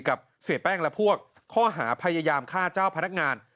เสียแป้งและพวกข้อหาพยายามฆ่าเจ้าพนักงาน